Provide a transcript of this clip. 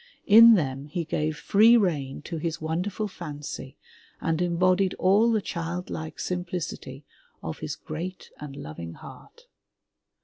In them he gave free rein to his wonderful fancy and embodied all the childlike simplicity of his great and loving heart.